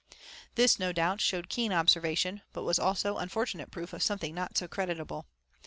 This, no doubt, showed keen observation, but was also unfortunate proof of something not so creditable.